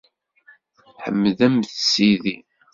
Ḥemdemt Sidi!